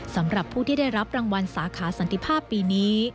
สำหรับผู้ที่ได้รับรางวัลสาขาสันติภาพปีนี้